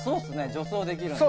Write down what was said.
助走できるんで。